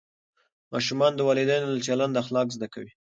ماشومان د والدینو له چلنده اخلاق زده کوي.